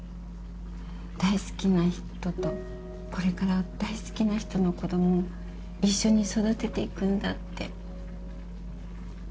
大好きな人とこれから大好きな人の子供を一緒に育てていくんだって。